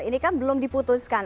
ini kan belum diputuskan